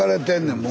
もう。